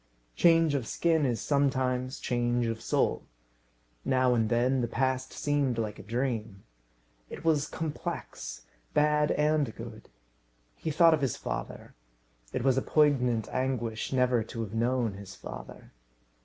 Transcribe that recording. Change of skin is sometimes change of soul. Now and then the past seemed like a dream. It was complex; bad and good. He thought of his father. It was a poignant anguish never to have known his father.